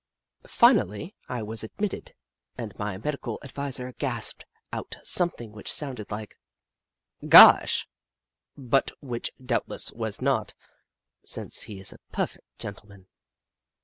Finally, I was admitted, and my medical adviser gasped out something which sounded like "gosh," but which doubtless was not, since he is a perfect gentleman.